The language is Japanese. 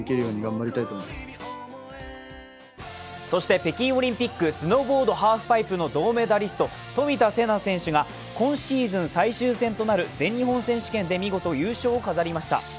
そして北京オリンピックスノーボード・ハープパイプの銅メダル、冨田せな選手が今シーズン最終戦となる全日本選手権で見事、優勝を飾りました。